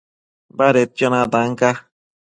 Badedquio natan ca